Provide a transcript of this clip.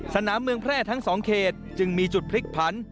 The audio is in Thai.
สนามเมืองแพร่ทั้ง๒เขตจึงมีจุดพลิกผัน